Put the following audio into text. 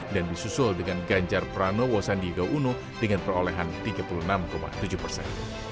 dan disusul dengan ganjar pranowo sandiaga uno dengan perolehan tiga puluh enam tujuh persen